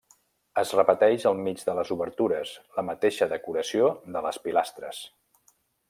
Es repeteix al mig de les obertures, la mateixa decoració de les pilastres.